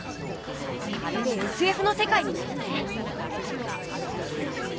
まるでＳＦのせかいみたいだね。